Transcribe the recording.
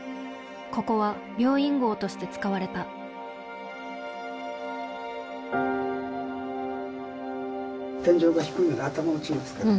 ここは病院壕として使われた天井が低いので頭を打ちますから。